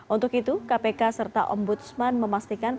untuk itu kpk serta ombudsman memastikan